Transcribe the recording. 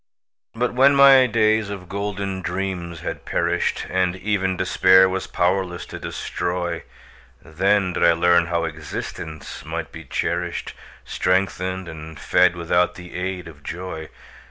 But when my days of golden dreams had perished, And even Despair was powerless to destroy, Then did I learn how existence might be cherished, Strengthened and fed without the aid of joy.